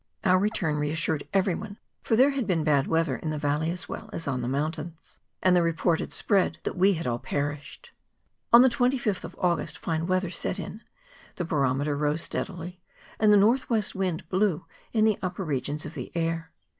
Our return re¬ assured every one : for there had been bad weather in the valley as well as on the mountains, and the report had spread that we had all perished. On the 25th of August fine weather set in ; the barometer rose steadily; and the north west wind blew in the upper regions of the air.